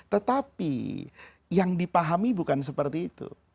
tetapi yang dipahami bukan seperti itu